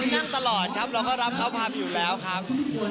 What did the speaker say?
นั่งตลอดครับเราก็รับเขาทำอยู่แล้วครับ